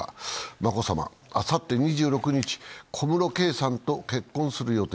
眞子さま、あさって２６日、小室圭さんと結婚する予定。